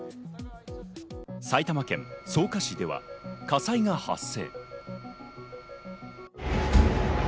埼玉県草加市では火災が発生。